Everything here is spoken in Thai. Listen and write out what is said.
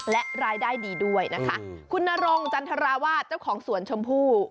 และรายได้ดีด้วยนะคะคุณนรงจันทราวาสเจ้าของสวนชมพู่